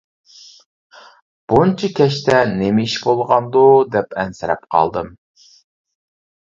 بۇنچە كەچتە نېمە ئىش بولغاندۇ دەپ ئەنسىرەپ قالدىم.